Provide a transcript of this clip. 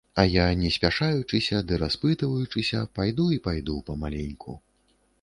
А я не спяшаючыся ды распытваючыся пайду і пайду памаленьку.